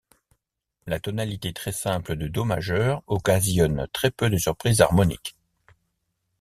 La tonalité très simple de do majeur occasionne très peu de surprises harmoniques.